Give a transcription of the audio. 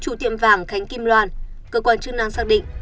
chủ tiệm vàng khánh kim loan cơ quan chức năng xác định